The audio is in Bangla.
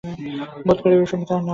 বোধ করি কুসুমই তাহার নাম হইবে।